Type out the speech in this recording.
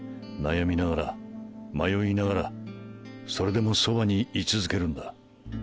悩みながら迷いながらそれでもそばに居続けるんだ。